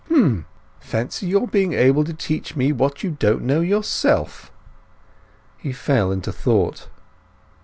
"H'm. Fancy your being able to teach me what you don't know yourself!" He fell into thought.